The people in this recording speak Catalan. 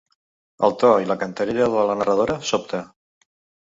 El to i la cantarella de la narradora sobta.